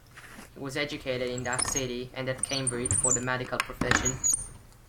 He was educated in that city and at Cambridge for the medical profession.